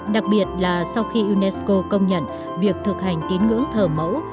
đặc biệt là sau khi unesco công nhận việc thực hành tiếng ngưỡng thở mẫu